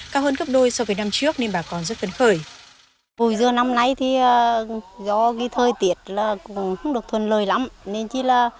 cao hơn cấp đôi so với năm trước